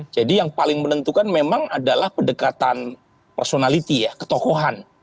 jadi yang paling menentukan memang adalah pendekatan personality ya ketokohan